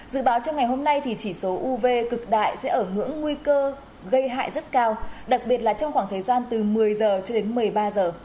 dự báo trong ngày hôm nay thì chỉ số uv cực đại sẽ ở ngưỡng nguy cơ gây hại rất cao đặc biệt là trong khoảng thời gian từ một mươi giờ cho đến một mươi ba giờ